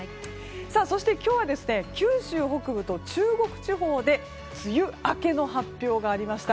そして今日は九州北部と中国地方で梅雨明けの発表がありました。